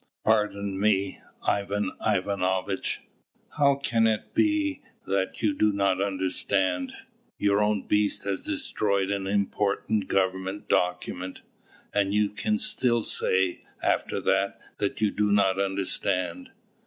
"Pardon me, Ivan Ivanovitch! how can it be that you do not understand? Your own beast has destroyed an important government document; and you can still say, after that, that you do not understand!"